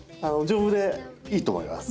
丈夫でいいと思います。